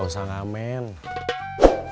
nanti saya nunggu aja ya